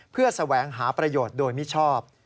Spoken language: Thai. เพื่อแสวงหาประโยชน์โดยมิชอบ